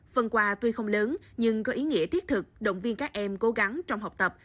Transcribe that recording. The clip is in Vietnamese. phần quà tuy không lớn nhưng có ý nghĩa thiết thực động viên các em cố gắng trong học tập